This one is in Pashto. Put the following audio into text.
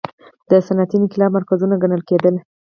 د صنعتي انقلاب مرکزونه ګڼل کېدل.